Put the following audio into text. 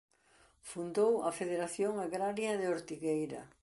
Fundou a Federación Agraria de Ortigueira.